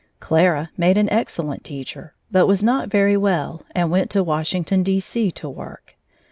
Clara made an excellent teacher, but was not very well and went to Washington, D.C., to work.